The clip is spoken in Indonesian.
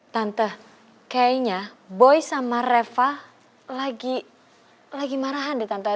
tante kayaknya boy sama reva lagi marahan tante